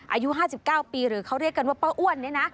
อายุ๕๙ปีหรือเขาเรียกกันว่าป้าอ้วนเนี่ยนะ